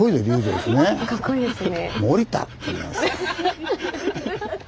かっこいいですね。